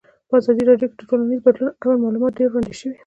په ازادي راډیو کې د ټولنیز بدلون اړوند معلومات ډېر وړاندې شوي.